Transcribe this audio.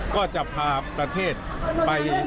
ก็จะพาประเทศไป